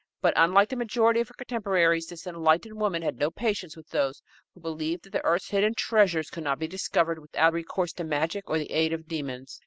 But, unlike the majority of her contemporaries, this enlightened woman had no patience with those who believed that the earth's hidden treasures could not be discovered without recourse to magic or to the aid of demons.